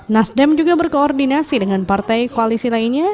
nasdem juga berkoordinasi dengan partai koalisi lainnya